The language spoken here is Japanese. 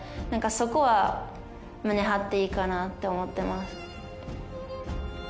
そこは胸張っていいかなって思ってます